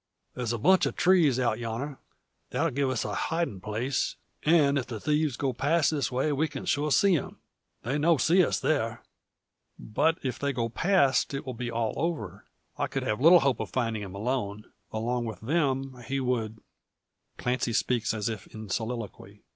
There's a bunch of trees out yonner, that'll give us a hidin' place; an' if the thieves go past this way, we sure see 'em. They no see us there." "But if they go past, it will be all over. I could have little hope of finding him alone. Along with them he would " Clancy speaks as if in soliloquy.